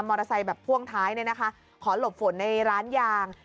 มอเตอร์ไซต์แบบพ่วงท้ายขอหลบฝนในร้านยาง